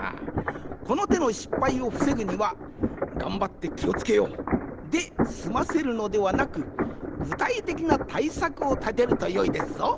このての失敗をふせぐには「がんばってきをつけよう！」ですませるのではなくぐたいてきなたいさくをたてるとよいですぞ。